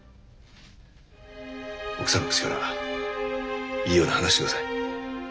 奥さんの口からいいように話してください。